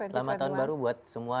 selamat tahun baru buat semua